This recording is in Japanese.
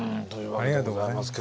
ありがとうございます。